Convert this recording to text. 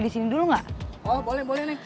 di sini dulu gak oh boleh boleh